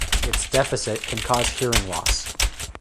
Its deficit can cause hearing loss.